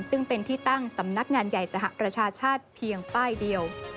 ซึ่งเป็นที่ตั้งสำนักงานใหญ่สหประชาชาติเพียงป้ายเดียว